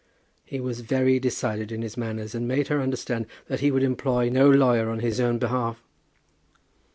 He was very decided in his manners and made her understand that he would employ no lawyer on his own behalf.